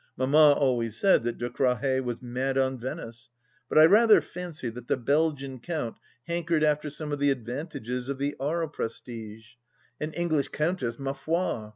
Mamma always said that De Crawhez was mad on Venice, but I rather fancy that the Belgian Count hankered after some of the advantages of the Aries prestige — an English countess, ma foi